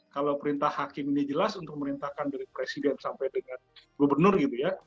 kalau perintah hakim ini jelas untuk memerintahkan dari presiden sampai dengan gubernur gitu ya